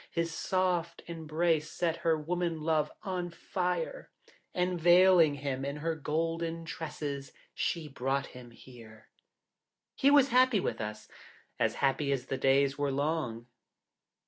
His soft embrace set her woman love on fire, and veiling him in her golden tresses, she brought him here. He was happy with us as happy as the days were long.